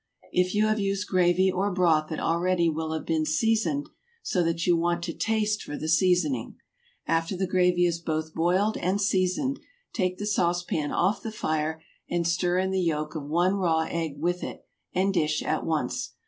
If you have used gravy or broth that already will have been seasoned, so that you want to taste for the seasoning. After the gravy is both boiled and seasoned take the sauce pan off the fire and stir in the yolk of one raw egg with it and dish at once.